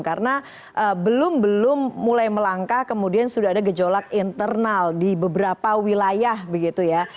karena belum belum mulai melangkah kemudian sudah ada gejolak internal di beberapa wilayah begitu ya